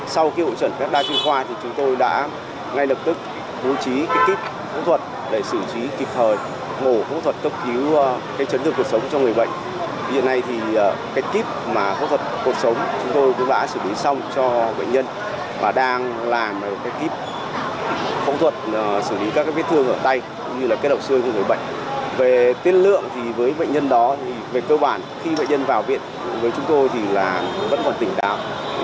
với bệnh nhân đó thì về cơ bản khi bệnh nhân vào viện với chúng tôi thì là vẫn còn tỉnh đạo